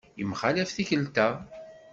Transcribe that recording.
Yemxalaf tikkelt-a.